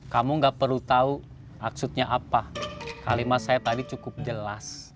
kamu gak perlu tahu maksudnya apa kalimat saya tadi cukup jelas